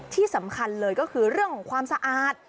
ที่สำคัญเลยก็คือเรื่องของความสะอาด